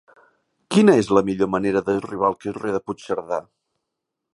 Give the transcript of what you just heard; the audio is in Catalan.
Quina és la millor manera d'arribar al carrer de Puigcerdà?